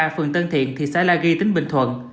phường tân thiện thị xã la ghi tỉnh bình thuận